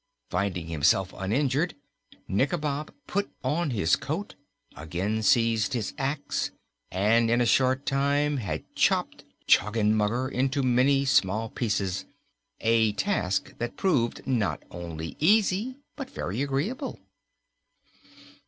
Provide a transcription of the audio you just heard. Finding himself uninjured, Nikobob put on his coat, again seized his ax, and in a short time had chopped Choggenmugger into many small pieces a task that proved not only easy but very agreeable.